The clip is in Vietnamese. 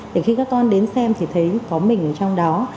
để khi các con đến xem thì thấy có mình ở trong đó